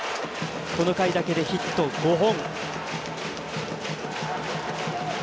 この回だけでヒット５本。